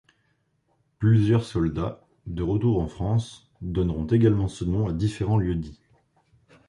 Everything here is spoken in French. Plusieurs soldats, de retour en France, donneront également ce nom à différents lieux-dits.